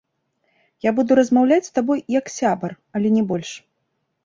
Я буду размаўляць з табой, як сябар, але не больш.